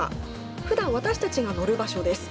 ふだん私たちが乗る場所です。